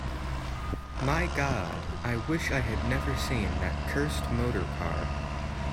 My God, I wish I had never seen that cursed motor-car!